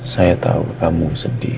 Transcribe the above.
saya tahu kamu sedih